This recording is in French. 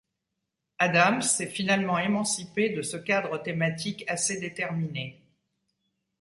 Adams s'est finalement émancipé de ce cadre thématique assez déterminé.